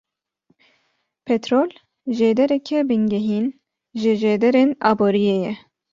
Petrol jêdereke bingehîn ji jêderên aboriyê ye.